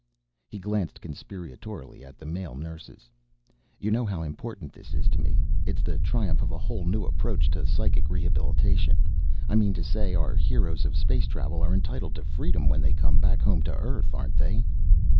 He glanced conspiratorially at the male nurses. "You know how important this is to me. It's the triumph of a whole new approach to psychic rehabilitation. I mean to say our heroes of space travel are entitled to freedom when they come back home to Earth, aren't they?"